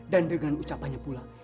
dan dengan ucapannya pula